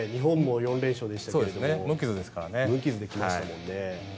日本も４連勝でしたけど無傷で来ましたね。